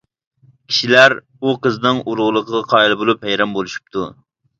كىشىلەر ئۇ قىزنىڭ ئۇلۇغلۇقىغا قايىل بولۇپ ھەيران بولۇشۇپتۇ.